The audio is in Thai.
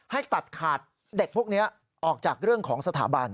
ให้ตัดขาดเด็กพวกนี้ออกจากเรื่องของสถาบัน